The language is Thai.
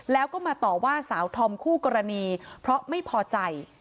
แล้วก็มาต่อว่าสาวธอมคู่กรณีเพราะไม่พอใจ